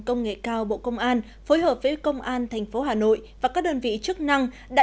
công nghệ cao bộ công an phối hợp với công an tp hà nội và các đơn vị chức năng đã